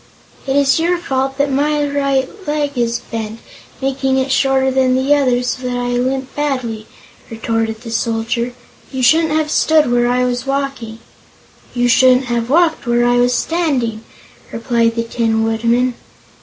"It is your fault that my right leg is bent, making it shorter than the other, so that I limp badly," retorted the Soldier. "You shouldn't have stood where I was walking." "You shouldn't have walked where I was standing," replied the Tin Woodman.